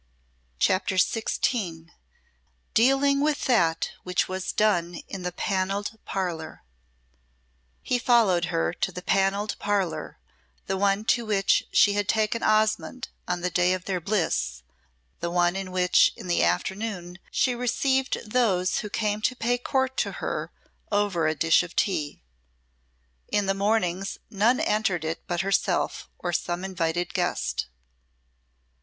CHAPTER XVI Dealing with that which was done in the Panelled Parlour He followed her to the Panelled Parlour, the one to which she had taken Osmonde on the day of their bliss, the one in which in the afternoon she received those who came to pay court to her over a dish of tea. In the mornings none entered it but herself or some invited guest.